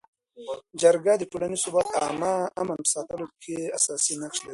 جرګه د ټولنیز ثبات او عامه امن په ساتلو کي اساسي نقش لري.